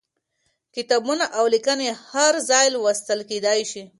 کتابونه او ليکنې هر ځای لوستل کېدای شي.